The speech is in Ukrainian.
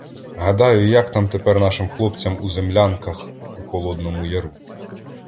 — Гадаю, як там тепер нашим хлопцям у землянках у Холодному Яру.